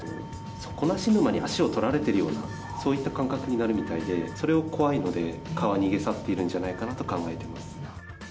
底なし沼に足を取られているような、そういった感覚になるみたいで、それが怖いので、蚊は逃げ去っているんじゃないかなと考えています。